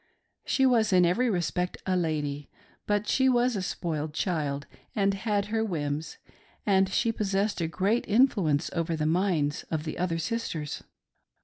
She was in every respect a lady, but she was a spoilt child and had her whims ; and she possessed a great influence over the minds of the other sisters.